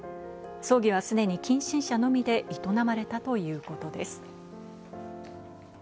葬儀はすでに近親者のみで営まれたということです。